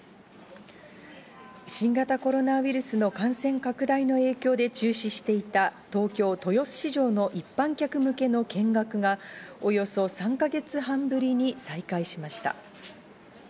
新型コロナウイルスの感染拡大の影響で中止していた東京・豊洲市場の一般客向けの見学がおよそ３か月半ぶりに再開しました。